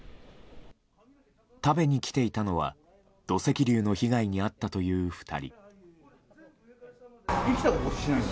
食べに来ていたのは土石流の被害に遭ったという２人。